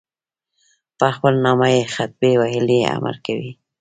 په خپل نامه یې خطبې ویلو امر کړی.